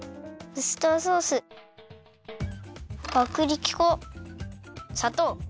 ウスターソースはくりき粉さとう